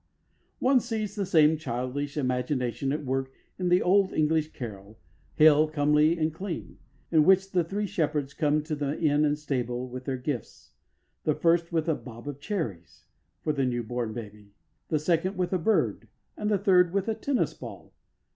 One sees the same childish imagination at work in the old English carol, "Hail, comely and clean," in which the three shepherds come to the inn stable with their gifts, the first with "a bob of cherries" for the new born baby, the second with a bird, and the third with a tennis ball.